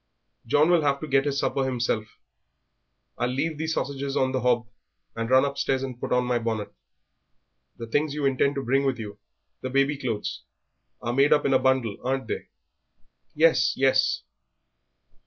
"John will have to get his supper himself; I'll leave these sausages on the hob, and run upstairs and put on my bonnet. The things you intend to bring with you, the baby clothes, are made up in a bundle, aren't they?" "Yes, yes."